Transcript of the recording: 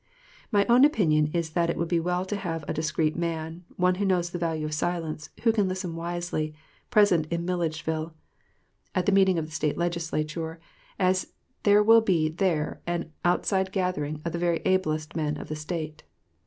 My own opinion is that it would be well to have a discreet man, one who knows the value of silence, who can listen wisely, present in Milledgeville, at the meeting of the State Legislature, as there will be there an outside gathering of the very ablest men of that State.